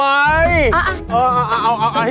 มันเป็นอะไร